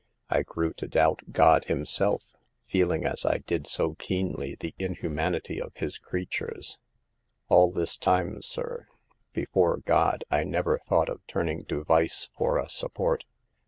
I grew to doubt God Himself, feel ing as I did so keenly the inhumanity of His creatures. " 6 All this time, sir, before God, I never THE PERILS OP POVERTY. 149 thought of turning to vice for a support.